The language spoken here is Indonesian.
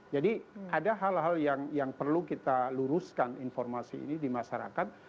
jadi ada hal hal yang yang perlu kita luruskan informasi ini di masyarakat